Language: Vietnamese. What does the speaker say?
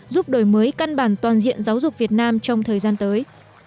giúp đổi mới căn bản toàn diện giáo dục việt nam trong thời gian tới